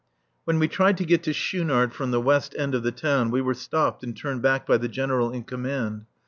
When we tried to get to Schoonard from the west end of the town we were stopped and turned back by the General in command.